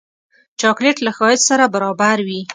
چاکلېټ له ښایست سره برابر وي.